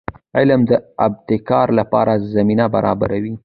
علم د ابتکار لپاره زمینه برابروي.